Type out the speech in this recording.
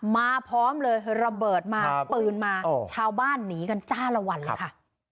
มาพร้อมเลยระเบิดมาปืนมาชาวบ้านหนีกันจ้าละวันเลยค่ะ